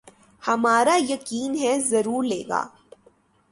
ہمارا یقین ہے ضرور لیگا